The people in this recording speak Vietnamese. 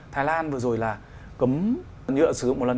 thái lan vừa rồi là cấm nhựa sử dụng một lần